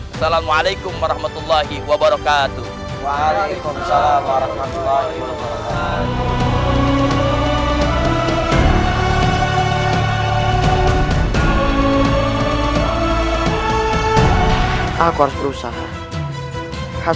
wassalamualaikum warahmatullahi wabarakatuh